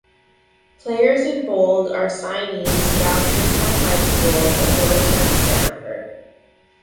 Players in bold are signees drafted from high school that will attend Stanford.